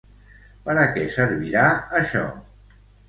Per a què servirà això?